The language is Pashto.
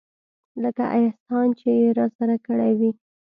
لکه احسان چې يې راسره کړى وي.